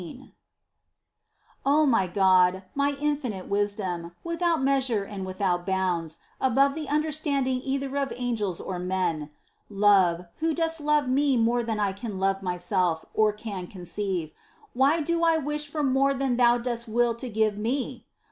^ I. O my God, my infinite Wisdom, without measure and without bounds, above the understanding either of angels or men ; Love, Who dost loVe me more than I can love myself, or can conceive : why do I wish for more than Thou dost will to give me